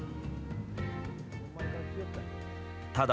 ただ、